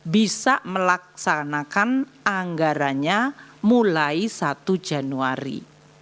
bisa melaksanakan anggarannya mulai satu januari